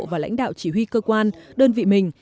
và lãnh đạo chỉ huy cơ quan đơn vị mình